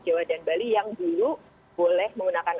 jawa dan bali yang dulu boleh menggunakan